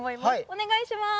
お願いします